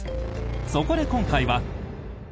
そこで今回は。